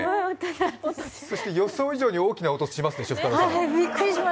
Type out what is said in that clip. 予想以上に大きな音しましたでしょ？